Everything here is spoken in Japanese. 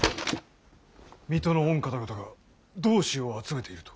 水戸の御方々が同志を集めていると？